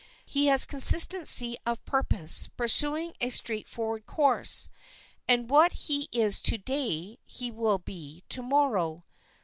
He has consistency of purpose, pursuing a straightforward course; and what he is to day he will be to morrow.